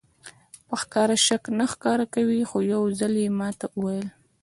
په ښکاره شک نه ښکاره کوي خو یو ځل یې ماته وویل.